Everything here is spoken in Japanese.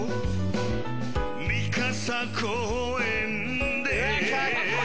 三笠公園で